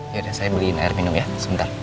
yaudah saya beliin air minum ya sebentar